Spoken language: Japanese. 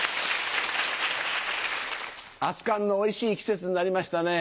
熱かんのおいしい季節になりましたね。